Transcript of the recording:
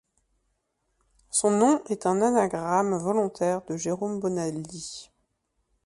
Son nom est une anagramme volontaire de Jérôme Bonaldi.